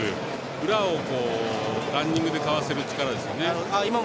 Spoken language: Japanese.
裏をランニングでかわせる力ですね。